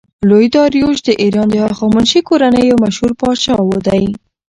لوی داریوش د ایران د هخامنشي کورنۍ یو مشهور پادشاه دﺉ.